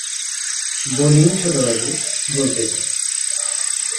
বলিনি ছোটবাবু, বলতে দিন।